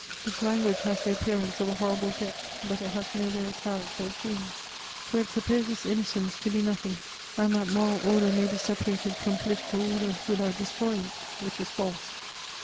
This language has the appearance of a horrible depth, but it has no real character of genius ; for it supposes innocence to be nothing, and that moral order may be separated from political order without destroying it, which is false.